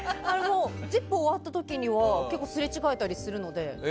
終わった時には結構すれ違えたりするので。